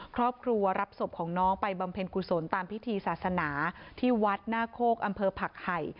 ครอบครัวรับศพของน้องไปบำเพ็ญกุศลตามพิธีศาสนาที่วัดหน้าโคกอำเภอผักไห่